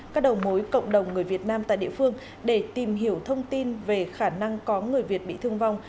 các đầu mối cộng đồng người việt nam tại địa phương để tìm hiểu thông tin về khả năng có người việt bị thương vong